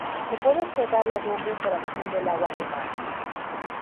Se puede observar la herrumbre por acción del agua de mar.